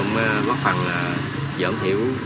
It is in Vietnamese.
góp phần giảm thiểu